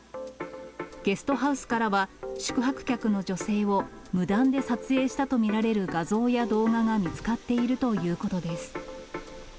ゲストハウスからは宿泊客の女性を無断で撮影したと見られる画像や動画が見つかっているということです。